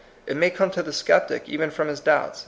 It may come to the sceptic even from his doubts.